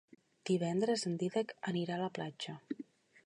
Divendres en Dídac anirà a la platja.